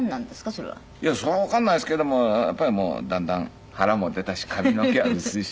それは。それはわかんないですけどもやっぱりもうだんだん腹も出たし髪の毛は薄いし。